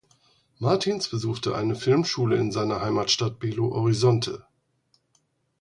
Martins besuchte eine Filmschule in seiner Heimatstadt Belo Horizonte.